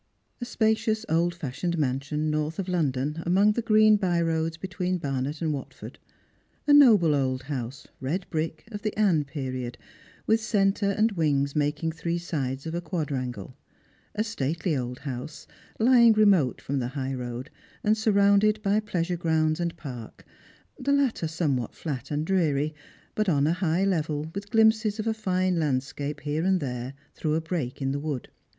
A SPACIOUS old fashioned mansion north of London, among the green byroads between Barnet and Watford ; a noble old house, red brick, of the Anne period, with centre and wings making three sides of a quadrangle ; a stately old house, lying remote from the high road, and surrounded by pleasure grounds and park— the latter somewhat flat and dreary, but on a high level, with ghmpses of a fine landscape here and there through a break in the wood.